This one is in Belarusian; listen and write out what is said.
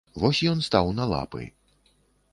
Вось ён стаў на лапы.